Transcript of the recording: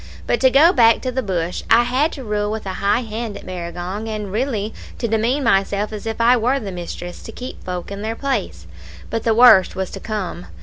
But to go back to the bush. I had to rule with a high hand at Barragong, and really to demean myself as if I were the mistress, to keep folk in their place. But the worst was to come.